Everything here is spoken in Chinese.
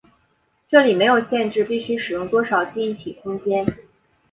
这里没有限制必须使用多少记忆体空间。